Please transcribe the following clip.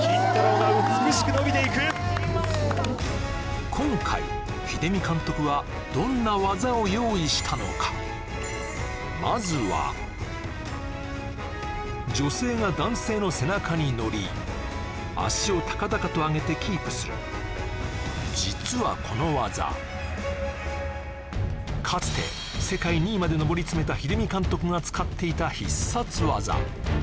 が美しくのびていく今回英美監督はどんな技を用意したのかまずは女性が男性の背中に乗り足を高々と上げてキープする実はこの技かつて世界２位まで上り詰めた英美監督が使っていた必殺技